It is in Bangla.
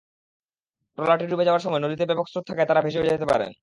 ট্রলারটি ডুবে যাওয়ার সময় নদীতে ব্যাপক স্রোত থাকায় তাঁরা ভেসে যেতে পারেন।